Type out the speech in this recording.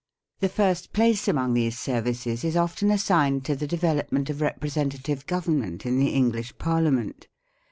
The first place among these services is often assigned to the development of representative government in the English Parliament.